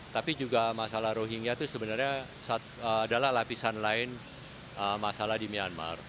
tapi juga masalah rohingya itu sebenarnya adalah lapisan lain masalah di myanmar